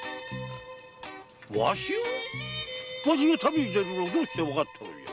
わしを⁉わしが旅に出るのがどうしてわかったのじゃ